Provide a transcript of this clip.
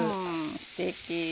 すてき。